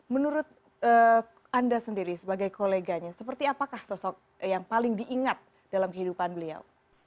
menurut anda sendiri sebagai koleganya seperti apakah sosok yang paling diingat dalam kehidupan beliau